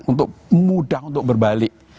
untuk mudah untuk berbalik